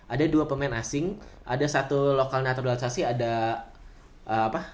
ada dua pemain asing ada satu lokal naturalisasi ada apa